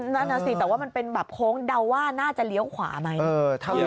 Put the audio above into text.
นั่นน่ะสิแต่ว่ามันเป็นแบบโค้งเดาว่าน่าจะเลี้ยวขวาไหม